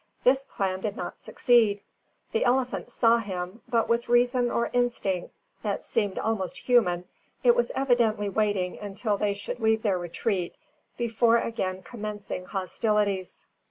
This plan did not succeed. The elephant saw him, but with reason or instinct that seemed almost human, it was evidently waiting until they should leave their retreat before again commencing hostilities.